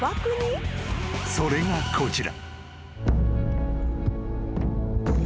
［それがこちら］